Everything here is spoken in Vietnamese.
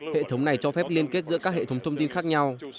hệ thống này cho phép liên kết giữa các hệ thống thông tin khác nhau